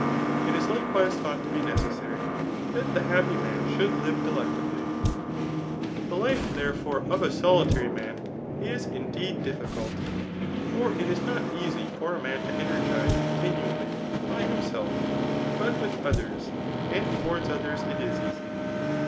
It is likewise ^thought to be necessary, that the happy man should live d^ett ably. The life^ therefore, of a soliury mjan is indedl dif ficult ^ for it is not easy for a man to energize cpn^npafi^ by himself, but with others, and towards others i| ja ^isy.